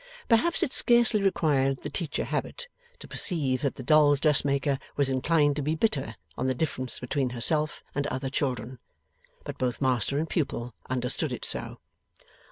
Perhaps it scarcely required the teacher habit, to perceive that the doll's dressmaker was inclined to be bitter on the difference between herself and other children. But both master and pupil understood it so.